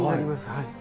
はい。